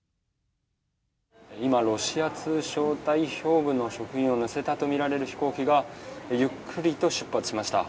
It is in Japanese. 今、ロシア通商代表部の職員を乗せたとみられる飛行機がゆっくりと出発しました。